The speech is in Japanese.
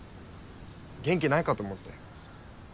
元気ないかと思って。